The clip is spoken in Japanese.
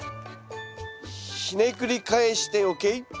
ひねくり返してＯＫ？